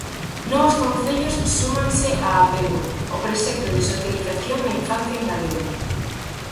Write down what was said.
Novos concellos súmanse a Apego, o proxecto de socialización da infancia en galego.